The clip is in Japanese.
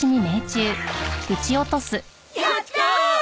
やった！